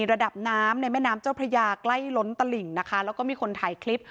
ระดับน้ำในแม่น้ำเจ้าพระยาใกล้ล้นตลิ่งนะคะแล้วก็มีคนถ่ายคลิป